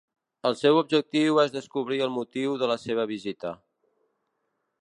El seu objectiu és descobrir el motiu de la seva visita.